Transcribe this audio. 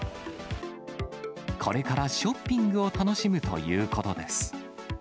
これからショッピングを楽しむということです。